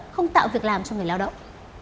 không tạo việc làm cho người lao động